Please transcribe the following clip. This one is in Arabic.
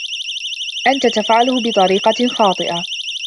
أنت تفعله بطريقة خاطئة!